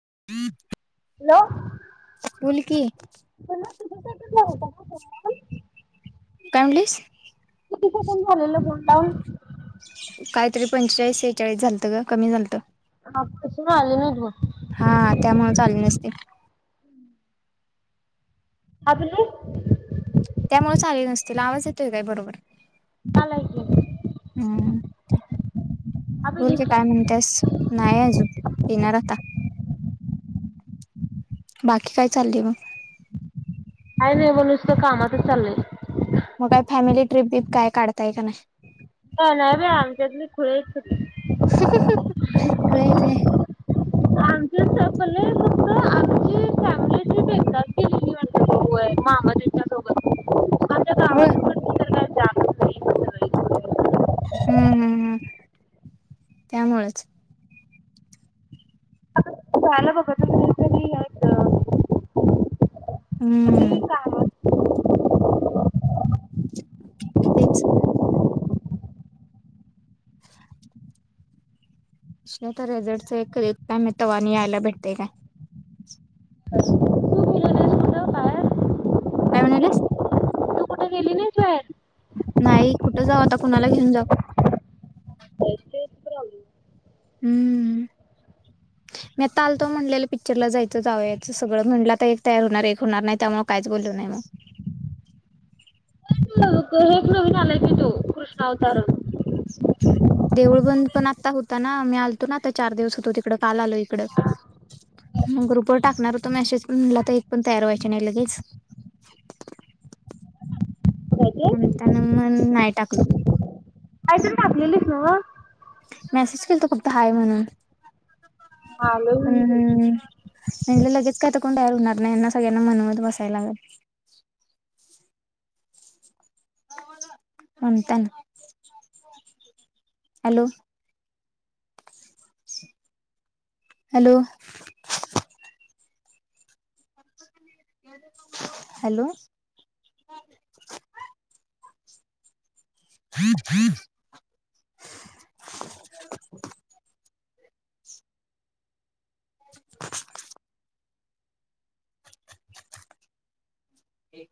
[inaudible] Hello बोल की, [unintelligible] C B pattern होता ना त्यांना पण काय म्हणलीस? [unintelligible] कायतरी पंचेचाळीस, सेहेचाळीस झालतं ग, कमी झालतं. आजपासून आले नाहीत बघ. हा त्यामुळेच आले नसतील. आपले [inaudible] त्यामुळेच आले नसतील आवाज येतोय काय? बरोबर आलाय की हम्म बोल अभिलीस का? काय म्हणतेस? नाही अजून पिणार आता. बाकी काय चाललय मग? काय नाही बग नुसत कामातच चाललंय मग काय फॅमिली ट्रिप बीप काय काढताय का नाय? अ नाही बाई आमचतली खुळी हं.. हं.. खुळी आहेत होय. [inaudible] आमच संपलय कुठं? आमची फॅमिली ट्रिप एकदाच केलती वाटतं होय मामाजींच्या सोबत. [inaudible] आमच्या होय गावात पण [unintelligible] [unintelligible] हम्म - हम्म -हम्म त्यामुळच आलं बघ हम्म तेच [unintelligible] तवा आणि यायला भेटय काय नाहीस कुठं बाहेर? काय म्हणालीस तू कुठे गेली नाहीस बाहेर? नाही कुठं जाऊ, आता कुणाला घेऊन जाऊ. हम्म मी आता आलतो म्हणलेलं पिक्चरला जायचं जावयाच सगळं, म्हणलं तर एक तयार होणार एक होणार नाही त्यामुळे कायच बोलू नाही मग. हेच नवीन आलंय की तो कृष्णा अवतार देऊळ बंद पण आता होता ना मी आलतो ना आता चार दिवस होतो तिकड काल आलोय इकडं मग ग्रूपवर टाकणार होतो मेसेज पण म्हणलं एक पण तयार व्हायचे नाही लगीच म्हणताना नाही टाकलो [unintelligible] हं मॅसेज केलतो फक्त हाय म्हणून हा आलोय मी घरी म्हणजे लगेच काय आता कोणयार होणार नाहीना सगळ्यांना मनवत बसायला लागल [inaudible] हॅलो हॅलो हॅलो फ्रीप फ्री [inaudible]